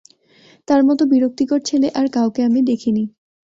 তার মতো বিরক্তিকর ছেলে আর কাউকে আমি দেখি নি।